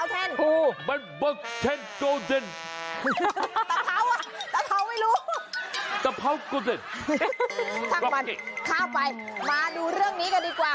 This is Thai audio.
ถ้ามันข้ามไปมาดูเรื่องนี้กันดีกว่า